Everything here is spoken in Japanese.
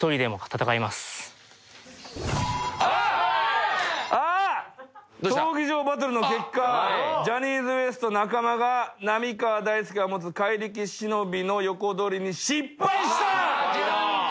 闘技場バトルの結果ジャニーズＷＥＳＴ中間が浪川大輔が持つ怪力忍の横取りに失敗した。